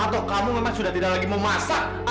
atau kamu memang sudah tidak lagi mau masak